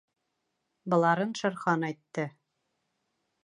— Быларын Шер Хан әйтте.